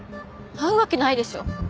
会うわけないでしょ。